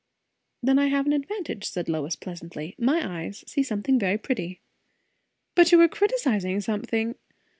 "Then I have an advantage," said Lois pleasantly. "My eyes see something very pretty." "But you were criticizing something.